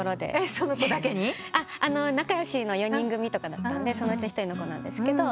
仲良しの４人組とかだったんでそのうち一人の子なんですけど。